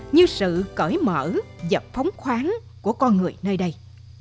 như sự cởi mở dọc phóng khoáng của con người nơi đây